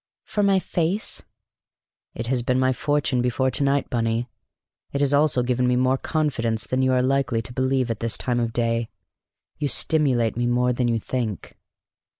"For my face?" "It has been my fortune before to night, Bunny. It has also given me more confidence than you are likely to believe at this time of day. You stimulate me more than you think."